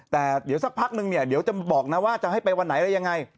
แต่เดี๋ยวสักพักนึงเนี่ยเดี๋ยวจะบอกนะว่าจะให้ไปวันไหนอะไรยังไง